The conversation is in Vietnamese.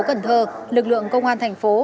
cần thơ lực lượng công an thành phố